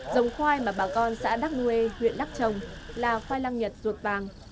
dòng khoai mà bà con xã đắk nguê huyện đắk trồng là khoai lang nhật vàng